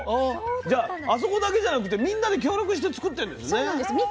じゃああそこだけじゃなくてみんなで協力して作ってるんですね。